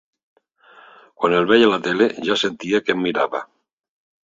Quan el veia a la tele ja sentia que em mirava.